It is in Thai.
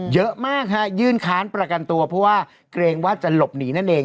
เยอะมากฮะยื่นค้านประกันตัวเพราะว่าเกรงว่าจะหลบหนีนั่นเอง